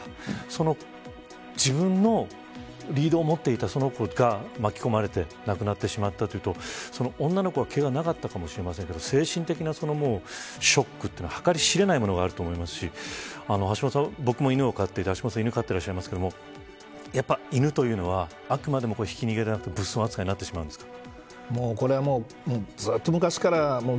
その、自分のリードを持っていたその子が巻き込まれて亡くなってしまったというと女の子にけがはなかったかもしれませんが精神的なショックというのは計り知れないものがあると思いますし橋下さん、僕も犬を飼っていて橋下さんも犬を飼ってらっしゃいますが犬というのはあくまでもひき逃げじゃなくて物損扱いになってしまうんですか。